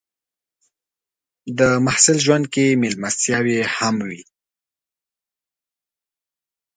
د محصل ژوند کې مېلمستیاوې هم وي.